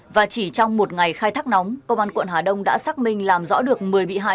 và chỉ trong một ngày khai thác nóng công an quận hà đông đã xác minh làm rõ được một mươi bị hại